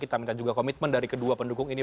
kita minta juga komitmen dari kedua pendukung ini